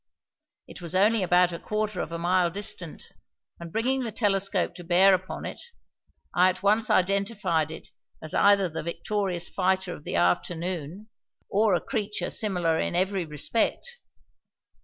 It was only about a quarter of a mile distant and, bringing the telescope to bear upon it, I at once identified it as either the victorious fighter of the afternoon or a creature similar in every respect.